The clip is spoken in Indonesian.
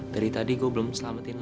dari tadi gue belum selamatin